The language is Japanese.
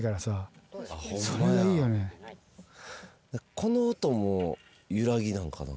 この音もゆらぎなんかな。